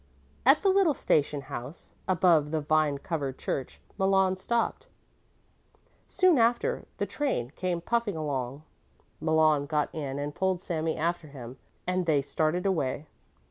At the little station house above the vine covered church Malon stopped. Soon after the train came puffing along. Malon got in and pulled Sami after him, and they started away.